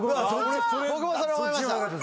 僕もそれ思いました。